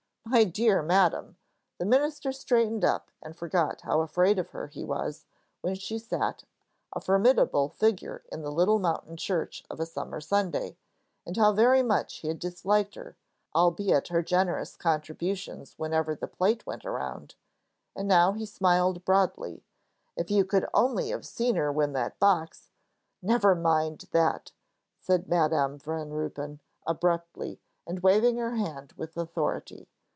My dear madam," the minister straightened up and forgot how afraid of her he was, when she sat, a formidable figure in the little mountain church of a summer Sunday, and how very much he had disliked her, albeit her generous contributions whenever the plate went around and now he smiled broadly, "if you could only have seen her when that box " "Never mind that," said Madam Van Ruypen, abruptly, and waving her hand with authority.